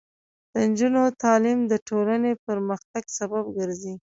د نجونو تعلیم د ټولنې پرمختګ سبب ګرځي.